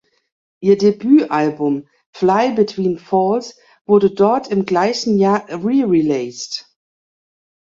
Ihr Debütalbum "Fly Between Falls" wurde dort im gleichen Jahr re-released.